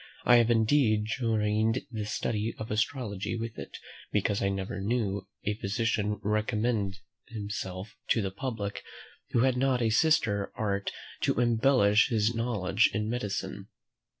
I have indeed joined the study of astrology with it, because I never knew a physician recommend himself to the public who had not a sister art to embellish his knowledge in medicine.